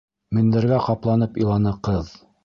Мендәргә ҡапланып иланы ҡыҙ.